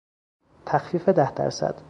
تخفیف ده درصد